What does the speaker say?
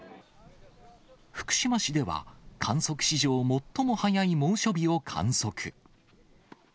福島市では、観測史上最も早い猛暑日を観測。